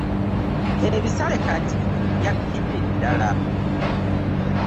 Ebisale kati byakkidde ddala.